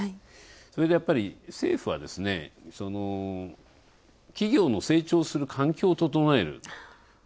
それで、政府は企業の成長する環境を整える。